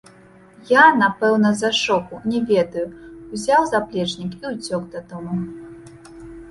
Я, напэўна, з-за шоку, не ведаю, узяў заплечнік і ўцёк дадому.